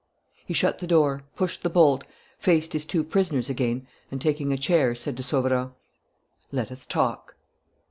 He shut the door, pushed the bolt, faced his two prisoners again and, taking a chair, said to Sauverand: "Let us talk."